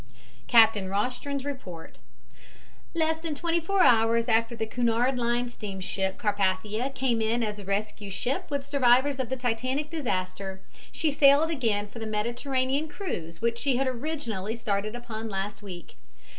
CAPTAIN ROSTRON'S REPORT Less than 24 hours after the Cunard Line steamship Carpathia came in as a rescue ship with survivors of the Titanic disaster, she sailed again for the Mediterranean cruise which she originally started upon last week.